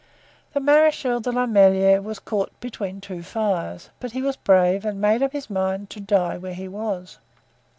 The Marechal de la Meilleraie was caught between two fires, but he was brave and made up his mind to die where he was.